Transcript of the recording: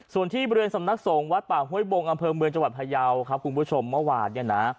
ส่วนที่บริเวณสำนักสงฆ์วัดป่าห้วยบงอำเภอเมืองจังหวัดพยาวครับคุณผู้ชมเมื่อวานเนี่ยนะ